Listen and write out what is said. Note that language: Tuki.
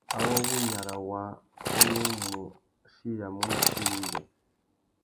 Awô wu nyara waā a nù mù achiyamú nà tsumba indjê.